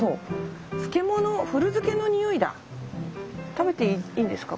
食べていいんですか？